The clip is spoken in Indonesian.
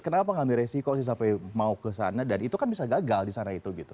kenapa ngambil resiko sih sampai mau ke sana dan itu kan bisa gagal di sana itu gitu